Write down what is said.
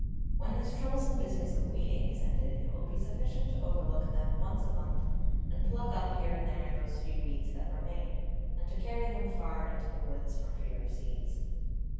When this troublesome Business of Weeding is ended, it will be sufficient to overlook them once a Month, and pluck up here and there those few Weeds that remain, and to carry them far into the Woods for fear of Seeds.